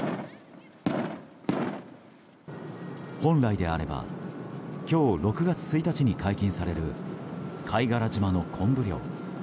本来であれば今日６月１日に解禁される貝殻島の昆布漁。